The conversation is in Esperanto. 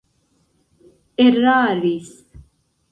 eraris